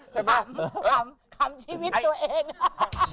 คำชีวิตตัวเอง